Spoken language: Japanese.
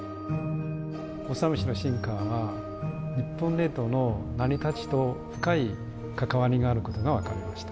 オサムシの進化は日本列島の成り立ちと深い関わりがあることが分かりました。